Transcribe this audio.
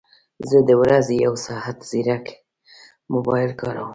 زه د ورځې یو ساعت ځیرک موبایل کاروم